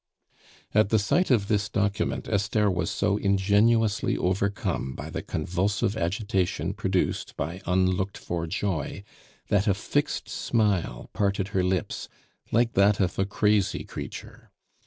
At the sight of this document Esther was so ingenuously overcome by the convulsive agitation produced by unlooked for joy, that a fixed smile parted her lips, like that of a crazy creature.